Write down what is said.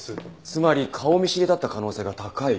つまり顔見知りだった可能性が高い？